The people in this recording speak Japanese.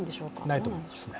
ないと思いますね。